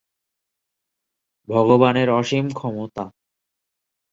ভগবানের অসীম ক্ষমতা।